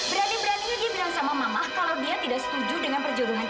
berani beraninya dia bilang sama mama kalau dia tidak setuju dengan perjodohan itu